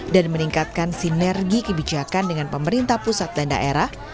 dan meningkatkan sinergi kebijakan dengan pemerintah pusat dan daerah